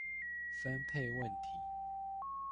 分配問題